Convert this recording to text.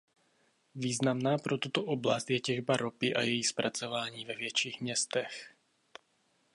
Významná pro tuto oblast je těžba ropy a její zpracování ve větších městech.